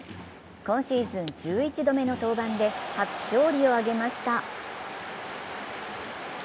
今シーズン１１度目の登板で初勝利を挙げました。